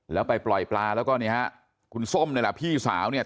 แล้วไปปล่อยปลาแล้วก็เนี่ยฮะคุณส้มนี่แหละพี่สาวเนี่ย